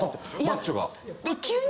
マッチョが。